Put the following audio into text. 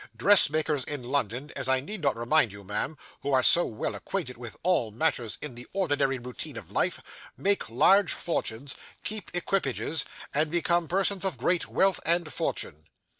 'Dressmakers in London, as I need not remind you, ma'am, who are so well acquainted with all matters in the ordinary routine of life, make large fortunes, keep equipages, and become persons of great wealth and fortune.